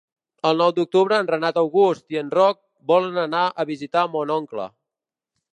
El nou d'octubre en Renat August i en Roc volen anar a visitar mon oncle.